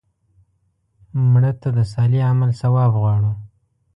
مړه ته د صالح عمل ثواب غواړو